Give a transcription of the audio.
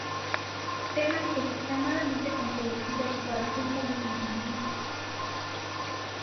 Temas extremadamente controvertidos para un público infantil.